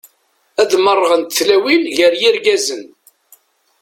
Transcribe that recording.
Ad merrɣent tlawin gar yirgazen.